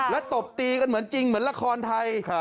แล้วตบตีกันเหมือนจริงเหมือนละครไทย